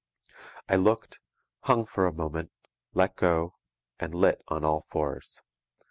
I looked, hung for a moment, let go, and "lit" on all fours.